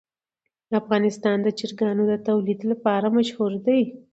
افغانستان د چرګانو د تولید لپاره مشهور دی.